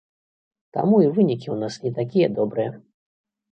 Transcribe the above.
Таму і вынікі ў нас не такія добрыя.